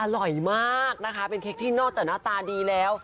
อร่อยมากนะคะเป็นเค้กที่นอกจากหน้าตาดีแล้ว